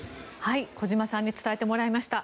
小島さんに伝えてもらいました。